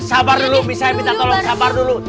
sabar dulu saya minta tolong sabar dulu